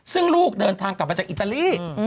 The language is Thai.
ซึ่งลูกเดินทางกลับมาจากอิตาลี